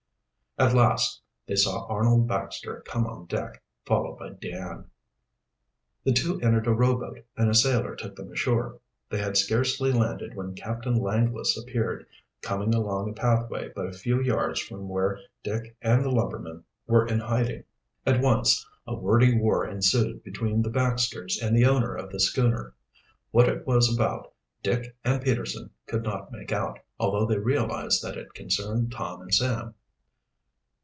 At last they saw Arnold Baxter come on deck, followed by Dan. The two entered a rowboat and a sailor took them ashore. They had scarcely landed when Captain Langless appeared, coming along a pathway but a few yards from where Dick and the lumberman were in hiding. At once a wordy war ensued between the Baxters and the owner of the schooner. What it was about Dick and Peterson could not make out, although they realized that it concerned Tom and Sam.